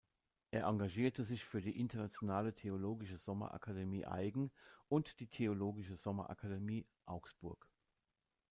Er engagierte sich für die "Internationale Theologische Sommerakademie Aigen" und die "Theologische Sommerakademie Augsburg".